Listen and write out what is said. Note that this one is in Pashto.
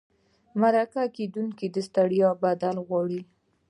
مرکه کېدونکي د ستړیا بدل غواړي.